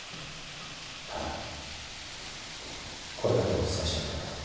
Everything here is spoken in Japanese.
ただこれだけはお伝えしなければと。